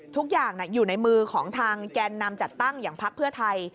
ทุกอย่างอยู่ในมือของทางแกนนำจัดตั้งอย่างพักเพื่อไทย